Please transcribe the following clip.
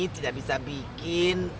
tidak bisa bikin